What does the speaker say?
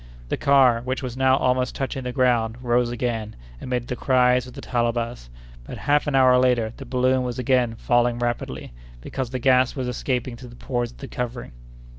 The car, which was now almost touching the ground, rose again, amid the cries of the Talabas; but, half an hour later, the balloon was again falling rapidly, because the gas was escaping through the pores of the covering.